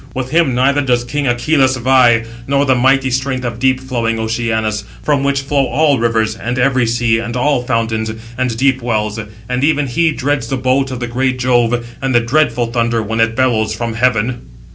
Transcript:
With him neither does king Acheloüs vie, nor the mighty strength of deep flowing Oceanus, from which flow all rivers, and every sea, and all fountains, and deep wells; but even he dreads the bolt of the great Jove, and the dreadful thunder, when it bellows from heaven."